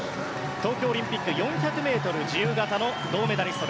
東京オリンピック４００ｍ自由形の銅メダリスト。